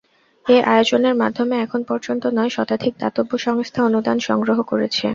এ আয়োজনের মাধ্যমে এখন পর্যন্ত নয় শতাধিক দাতব্য সংস্থা অনুদান সংগ্রহ করেছে।